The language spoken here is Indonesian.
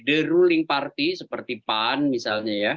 the ruling party seperti pan misalnya ya